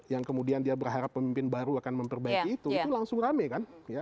yang kemudian dia berharap pemimpin baru akan memperbaiki itu itu langsung rame kan